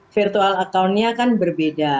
virtual accountnya kan berbeda